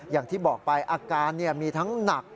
อย่างที่บอกไปอาการมีทั้งหนัก